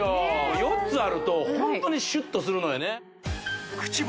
４つあるとホントにシュッとするのよね